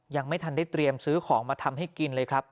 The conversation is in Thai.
ยังไม่ทันได้เตรียมซื้อของมาทำให้กินเลยครับ